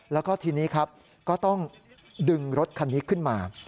แล้วก็ทีนี้ครับก็ต้องดึงรถคันนี้ขึ้นมา